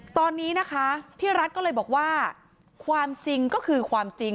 ตอนนี้นะคะพี่รัฐก็เลยบอกว่าความจริงก็คือความจริง